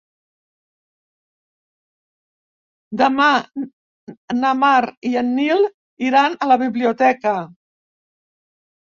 Demà na Mar i en Nil iran a la biblioteca.